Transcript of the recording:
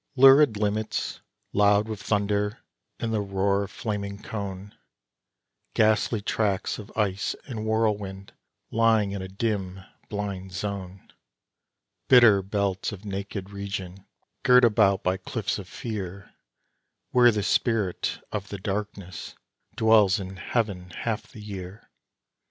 Lurid limits, loud with thunder and the roar of flaming cone, Ghastly tracts of ice and whirlwind lying in a dim, blind zone, Bitter belts of naked region, girt about by cliffs of fear, Where the Spirit of the Darkness dwells in heaven half the year.